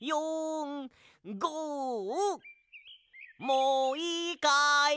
もういいかい？